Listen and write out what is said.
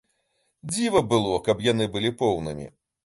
Дзіва было, каб яны былі поўнымі.